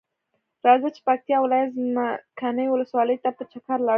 راځۀ چې پکتیا ولایت څمکنیو ولسوالۍ ته په چکر لاړشو.